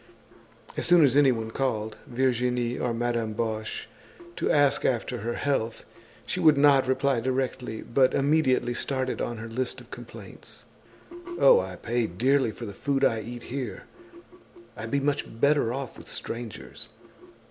As soon as anyone called, Virginie or Madame Boche, to ask after her health, she would not reply directly, but immediately started on her list of complaints: "Oh, I pay dearly for the food I eat here. I'd be much better off with strangers.